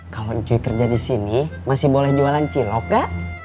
kalau cui kerja di sini masih boleh jualan cilok gak